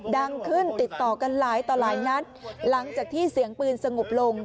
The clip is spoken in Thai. ดังขึ้นติดต่อกันหลายต่อหลายนัดหลังจากที่เสียงปืนสงบลง